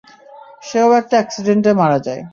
সেও একটা এক্সিডেন্টে মারা যায়।